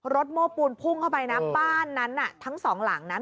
โม้ปูนพุ่งเข้าไปนะบ้านนั้นน่ะทั้งสองหลังนั้น